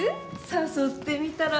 誘ってみたら？